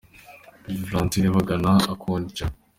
bava i Franceville bagana i Okondja,